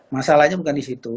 masalahnya bukan di situ